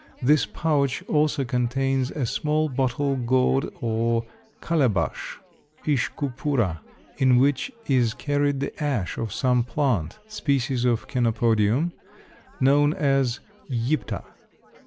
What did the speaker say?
This pouch also contains a small bottle gourd or calabash (ishcupura) in which is carried the ash of some plant (species of Chenopodium), known as Llipta.